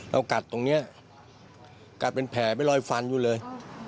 กัดตรงนี้กัดเป็นแผลเป็นรอยฟันอยู่เลย